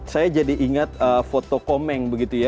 saya jadi ingat foto komeng begitu ya